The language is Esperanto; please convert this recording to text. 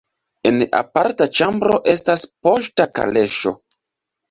En aparta ĉambro estas poŝta kaleŝo.